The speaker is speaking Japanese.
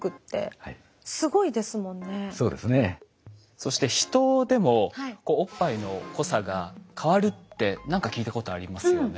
そしてヒトでもおっぱいの濃さが変わるって何か聞いたことありますよね。